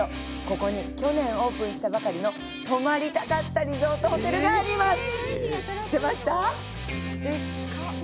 ここに去年オープンしたばかりの泊まりたかったリゾートホテルがあります。